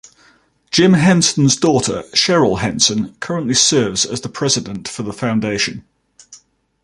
Jim Henson's daughter Cheryl Henson currently serves as the president for the Foundation.